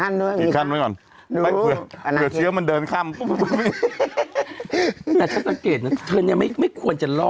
เนี่ยอัลกอฮอล์